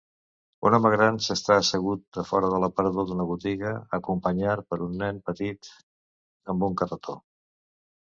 Un home gran s'està assegut a fora de l'aparador d'una botiga acompanyar per un nen petit amb un carretó.